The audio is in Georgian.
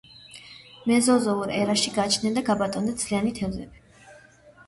მეზოზოურ ერაში გაჩნდნენ და გაბატონდნენ ძვლიანი თევზები.